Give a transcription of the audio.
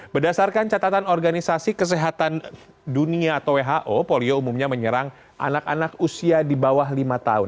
berdasarkan catatan organisasi kesehatan dunia atau who polio umumnya menyerang anak anak usia di bawah lima tahun